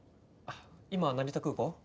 今成田空港？